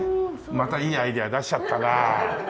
またいいアイデア出しちゃったなあ。